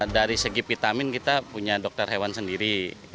dari segi vitamin kita punya dokter hewan sendiri